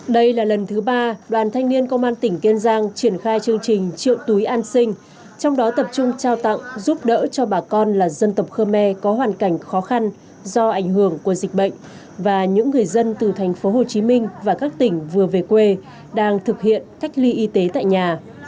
đây là lần thứ ba đoàn thanh niên công an tỉnh kiên giang triển khai chương trình triệu túi an sinh trong đó tập trung trao tặng giúp đỡ cho bà con là dân tộc khơ me có hoàn cảnh khó khăn do ảnh hưởng của dịch bệnh và những người dân từ tp hcm và các tỉnh vừa về quê đang thực hiện cách ly y tế tại nhà